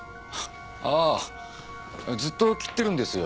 ああずっと切ってるんですよ